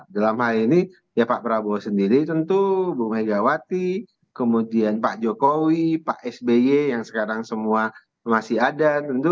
dalam hal ini ya pak prabowo sendiri tentu bu megawati kemudian pak jokowi pak sby yang sekarang semua masih ada